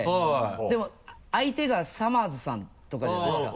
でも相手がさまぁずさんとかじゃないですか。